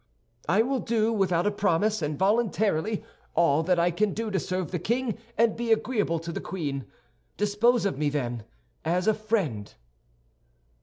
"I will do, without a promise and voluntarily, all that I can do to serve the king and be agreeable to the queen. Dispose of me, then, as a friend."